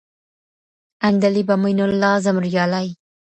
عندليب امين الله زمريالى